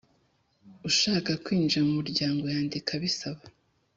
Ushaka kwinjira mu muryango yandika abisaba